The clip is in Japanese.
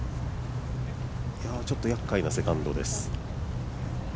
ちょっとやっかいなセカンドです。